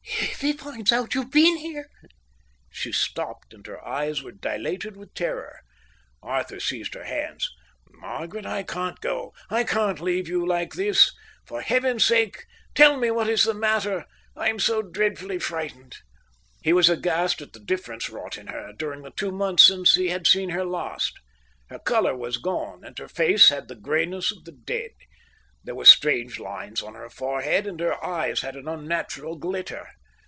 If he finds out you've been here—" She stopped, and her eyes were dilated with terror. Arthur seized her hands. "Margaret, I can't go—I can't leave you like this. For Heaven's sake, tell me what is the matter. I'm so dreadfully frightened." He was aghast at the difference wrought in her during the two months since he had seen her last. Her colour was gone, and her face had the greyness of the dead. There were strange lines on her forehead, and her eyes had an unnatural glitter.